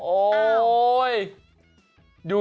โอ้โฮ